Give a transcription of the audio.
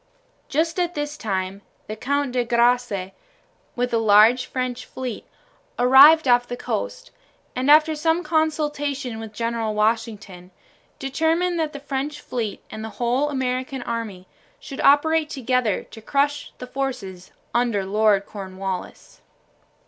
Just at this time the Count de Grasse, with a large French fleet, arrived off the coast, and, after some consultation with General Washington, determined that the French fleet and the whole American army should operate together to crush the forces under Lord Cornwallis.